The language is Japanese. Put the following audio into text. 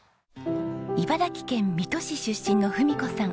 茨城県水戸市出身の文子さん。